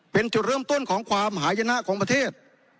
เป็นจุดเริ่มต้นของความหายนะของประเทศ